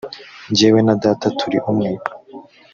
jyewe na data turi umwe .